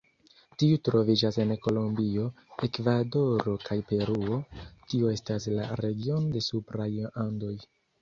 Tiu troviĝas en Kolombio, Ekvadoro kaj Peruo, tio estas la regiono de supraj Andoj.